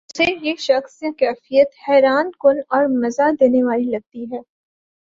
اسے یہ شخص یا کیفیت حیران کن اور مزا دینے والی لگتی ہے